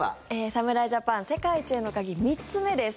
侍ジャパン世界一への鍵３つ目です。